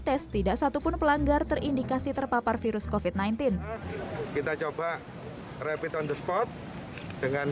tes tidak satupun pelanggar terindikasi terpapar virus kofit sembilan belas kita coba rapid on the spot dengan